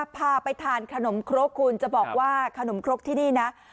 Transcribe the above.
พาไปทานขนมครกคุณจะบอกว่าขนมครกที่นี่นะ